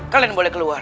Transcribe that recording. kalian boleh keluar